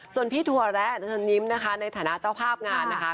ส่วนพี่ถั่วแระเชิญยิ้มนะคะในฐานะเจ้าภาพงานนะคะ